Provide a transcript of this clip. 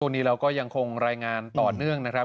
วันนี้เราก็ยังคงรายงานต่อเนื่องนะครับ